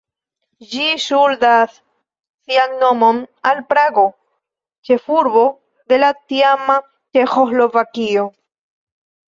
Ĝi ŝuldas sian nomon al Prago, ĉefurbo de la tiama Ĉeĥoslovakio.